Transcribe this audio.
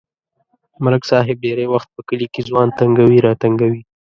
ملک صاحب ډېری وخت په کلي کې ځوان تنگوي راتنگوي.